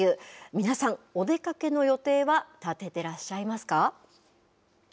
皆さん、お出かけの予定は立ててらっしゃいますか。